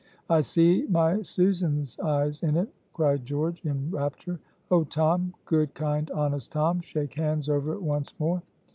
"I see my Susan's eyes in it," cried George, in rapture. "Oh, Tom, good, kind, honest Tom, shake hands over it once more!"